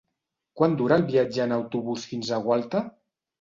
Quant dura el viatge en autobús fins a Gualta?